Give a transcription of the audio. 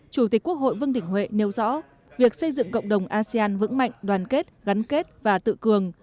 chủ tịch quốc hội vương đình huệ nêu rõ việc xây dựng cộng đồng asean vững mạnh đoàn kết gắn kết và tự cường